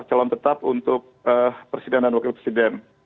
calon tetap untuk presiden dan wakil presiden